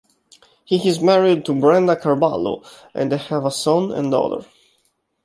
He is married to Brenda Carballo and they have a son and daughter.